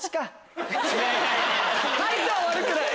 海人は悪くない！